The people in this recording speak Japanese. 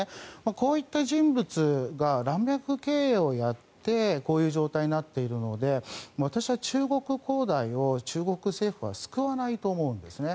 こういった人物が乱脈経営をやってこういう状態になっているので私は中国恒大を中国政府は救わないと思うんですね。